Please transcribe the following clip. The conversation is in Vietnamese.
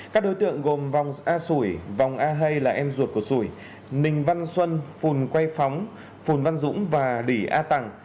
các đối tượng gồm vòng a sủi vòng a hai là em ruột của sủi ninh văn xuân phùn quay phóng phùn văn dũng và đỉ a tẳng